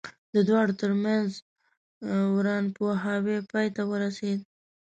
د دواړو ترمنځ ورانپوهاوی پای ته ورسېد.